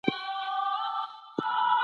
هغه هلک ډېر تکړه او لایق دی.